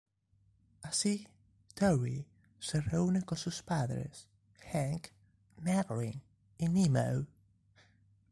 Así, Dory se reúne con sus padres, Hank, Marlin y Nemo.